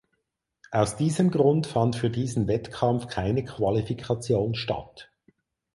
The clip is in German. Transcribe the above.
Aus diesem Grund fand für diesen Wettkampf keine Qualifikation statt.